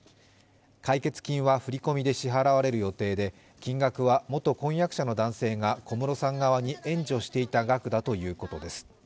解決金は振り込みで支払われる予定で、金額は元婚約者の男性が小室さん側に援助していた額だということです。